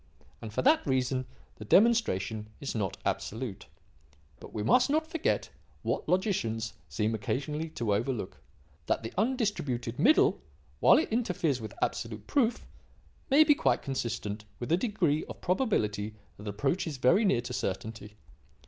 And, for that reason, the demonstration is not absolute. But we must not forget, what logicians seem occasionally to overlook: that the 'undistributed middle,' while it interferes with absolute proof, may be quite consistent with a degree of probability that approaches very near to certainty.